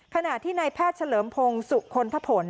ขณะที่ในแพทย์เฉลิมพงศ์สุคลทะผล